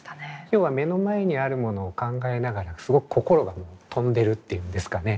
要は目の前にあるものを考えながらすごく心が飛んでるっていうんですかね